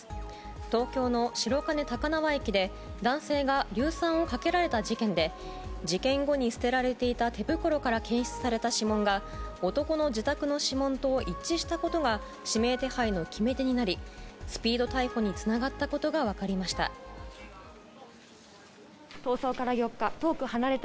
東京の白金高輪駅で男性が硫酸をかけられた事件で事件後に捨てられていた手袋から検出された指紋が男の自宅の指紋と一致したことが指名手配の決め手となりスピード逮捕につながったことが分かりました。